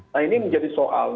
nah ini menjadi soal